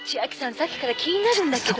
さっきから気になるんだけど」